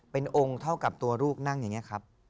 เป็นองค์เท่ากับตัวลูกนั่งอย่างนี้ครับ